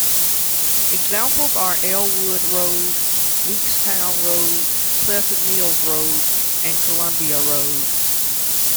Examples are Elwood Road, Weekstown Road, Pleasant Mills Road, and Columbia Road.